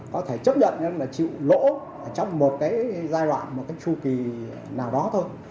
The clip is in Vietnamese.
có thể chấp nhận nhưng mà chịu lỗ trong một giai đoạn một chu kỳ nào đó thôi